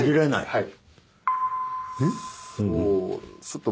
⁉はい。